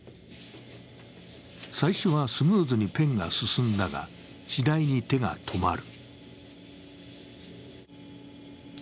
最初はスムーズにペンが進んだが、次第に手が止まる。